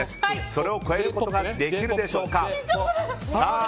それを超えることができるでしょうか。